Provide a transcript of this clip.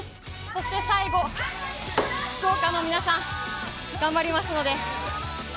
そして最後、福岡の皆さん頑張りますので。